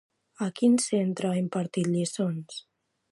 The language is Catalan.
A quin centre ha impartit lliçons?